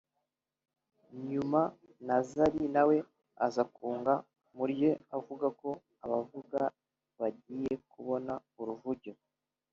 nyuma na Zari nawe aza kunga mu rye avuga ko abavuga bagiye kubona uruvugiro